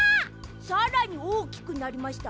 さらにおおきくなりました。